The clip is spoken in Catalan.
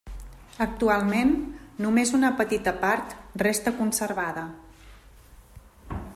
Actualment, només una petita part resta conservada.